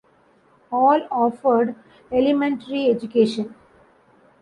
All offered elementary education.